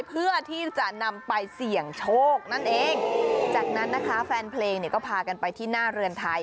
เพื่อที่จะนำไปเสี่ยงโชคนั่นเองจากนั้นนะคะแฟนเพลงเนี่ยก็พากันไปที่หน้าเรือนไทย